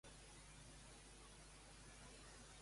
Per què Ponsatí-Murlà li va donar les gràcies?